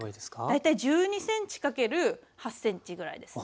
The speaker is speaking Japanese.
大体１２ｃｍ×８ｃｍぐらいですね。